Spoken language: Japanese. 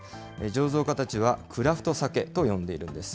醸造家たちは、クラフトサケと呼んでいるんです。